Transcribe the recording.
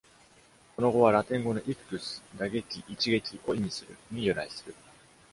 この語は、ラテン語の「ictus」(「打撃」「一撃」を意味する)に由来する。